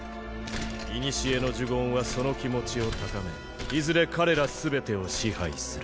古の呪言はその気持ちを高めいずれ彼ら全てを支配する。